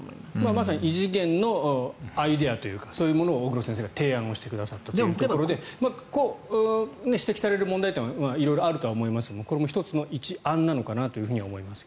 まさに異次元のアイデアというかそういうものを小黒先生が提案してくださったということで指摘される問題点は色々あると思いますがこれも１つの一案なのかなと思いますが。